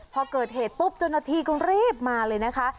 พอเกิดเหตุปุ๊บจนทีก็รีบมาเลยนะคะ